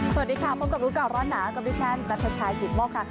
สวัสดีค่ะพบกับรู้ก่อนร้อนหนาวกับดิฉันนัทชายกิตโมกค่ะ